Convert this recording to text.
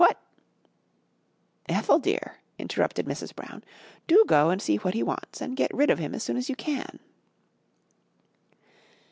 What " "Ethel, dear," interrupted Mrs. Brown, "do go and see what he wants and get rid of him as soon as you can."